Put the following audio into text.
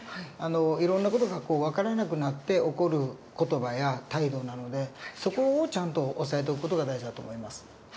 いろんな事が分からなくなって起こる言葉や態度なのでそこをちゃんと押さえておく事が大事だと思います。